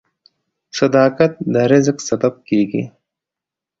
• صداقت د رزق سبب کیږي.